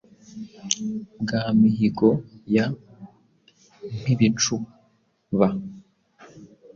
Bwa Mihigo ya Mpibicuba